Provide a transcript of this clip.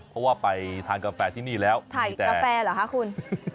เพราะว่าไปทานกาแฟที่นี่แล้วไข่กาแฟเหรอคะคุณ